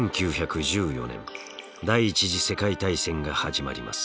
１９１４年第１次世界大戦が始まります。